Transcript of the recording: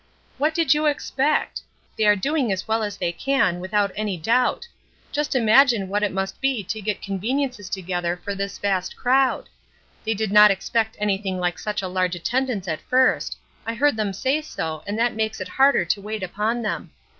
"What did you expect? They are doing as well as they can, without any doubt. Just imagine what it must be to get conveniences together for this vast crowd. They did not expect anything like such a large attendance at first; I heard them say so and that makes it harder to wait upon them.